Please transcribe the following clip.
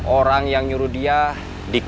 orang yang nyuruh dia dik dik